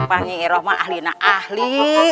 pak nyi rohma ahli ahli